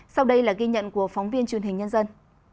sau đây là ghi nhận của phóng viên truyền hình nhân dân